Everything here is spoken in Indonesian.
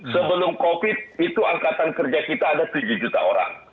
sebelum covid itu angkatan kerja kita ada tujuh juta orang